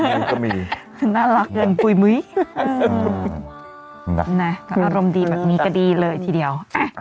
มันก็มีน่ารักเงินปุ๋ยมุ้ยอารมณ์ดีแบบนี้ก็ดีเลยทีเดียว